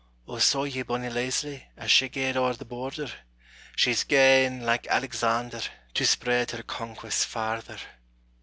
O, saw ye bonnie Leslie As she gaed o'er the border? She's gane, like Alexander, To spread her conquests farther.